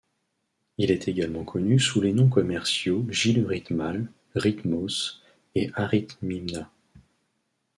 Il est également connu sous les noms commerciaux Gilurytmal, Ritmos, et Aritmina.